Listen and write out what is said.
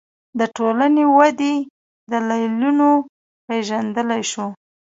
د ټولنې ودې دلیلونه پېژندلی شو